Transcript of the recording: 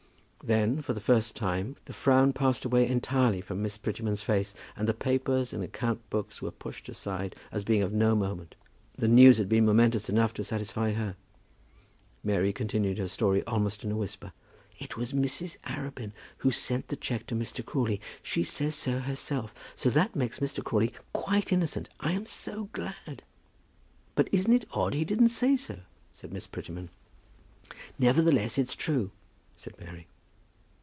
Then, for the first time, the frown passed away entirely from Miss Prettyman's face, and the papers and account books were pushed aside, as being of no moment. The news had been momentous enough to satisfy her. Mary continued her story almost in a whisper. "It was Mrs. Arabin who sent the cheque to Mr. Crawley. She says so herself. So that makes Mr. Crawley quite innocent. I am so glad." "But isn't it odd he didn't say so?" said Miss Prettyman. "Nevertheless, it's true," said Mary.